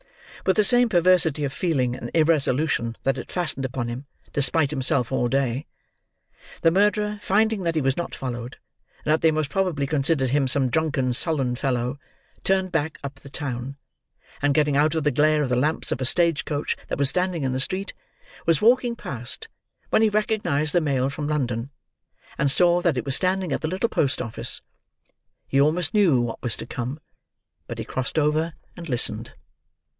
With the same perversity of feeling and irresolution that had fastened upon him, despite himself, all day, the murderer, finding that he was not followed, and that they most probably considered him some drunken sullen fellow, turned back up the town, and getting out of the glare of the lamps of a stage coach that was standing in the street, was walking past, when he recognised the mail from London, and saw that it was standing at the little post office. He almost knew what was to come; but he crossed over, and listened.